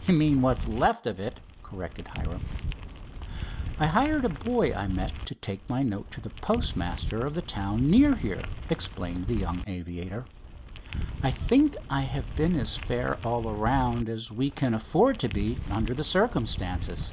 "You mean what is left of it," corrected Hiram. "I hired a boy I met to take my note to the postmaster of the town near here," explained the young aviator. "I think I have been as fair all around as we can afford to be under the circumstances."